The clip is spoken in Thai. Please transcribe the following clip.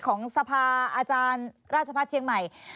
ของสภาอาจารย์ราชพัฒน์เชียงใหม่